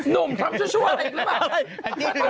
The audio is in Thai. นุ่มทำชั่วอะไรอีกละกาล